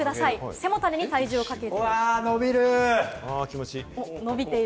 背もたれに体重をかける。